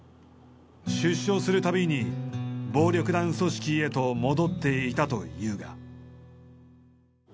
出所するたびに暴力団組織へと戻っていたというが。